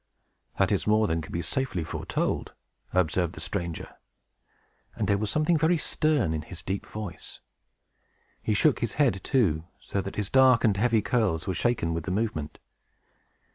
"That is more than can be safely foretold," observed the stranger; and there was something very stern in his deep voice. He shook his head, too, so that his dark and heavy curls were shaken with the movement.